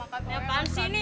apaan sih ini